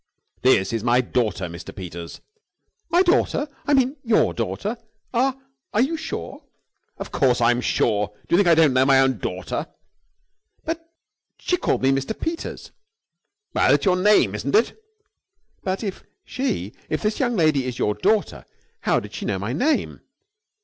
"This is my daughter, Mr. Peters." "My daughter! I mean, your daughter! Are are you sure?" "Of course I'm sure. Do you think I don't know my own daughter?" "But she called me 'Mr. Peters'!" "Well, it's your name, isn't it?" "But, if she if this young lady is your daughter, how did she know my name?"